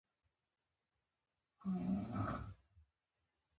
امریکا او اروپا کې هم جومات ته د ښځو پر تلو بندیز نه شته.